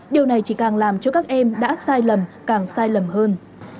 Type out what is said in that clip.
điều này chỉ càng làm cho các em đã sai lầm càng sai lầm hơn